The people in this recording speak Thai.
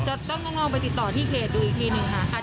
ต้องลองไปติดต่อที่เขตดูอีกทีหนึ่งค่ะ